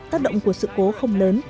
tác động của sự cố không lớn